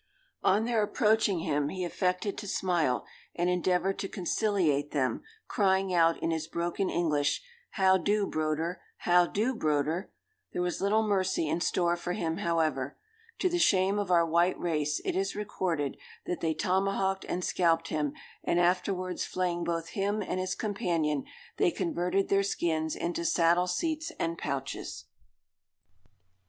On their approaching him, he affected to smile, and endeavoured to conciliate them, crying out, in his broken English, "How do, broder? how do, broder?" There was little mercy in store for him, however. To the shame of our white race, it is recorded that "they tomahawked and scalped him: and afterwards flaying both him and his companion, they converted their skins into saddle seats and pouches!"